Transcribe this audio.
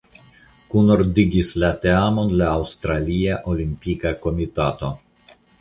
Kunordigis la teamon la Aŭstralia Olimpika Komitato.